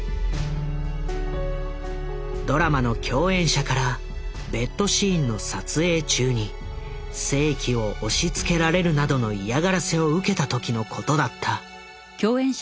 ドラマの共演者からベッドシーンの撮影中に性器を押しつけられるなどの嫌がらせを受けた時のことだった。